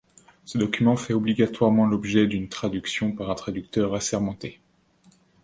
Ce document fait obligatoirement l'objet d'une traduction par un traducteur assermenté.